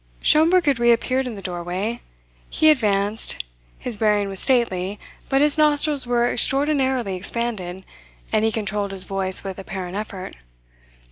Schomberg had reappeared in the doorway. He advanced. His bearing was stately, but his nostrils were extraordinarily expanded, and he controlled his voice with apparent effort.